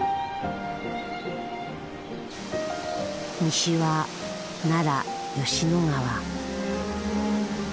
西は奈良吉野川。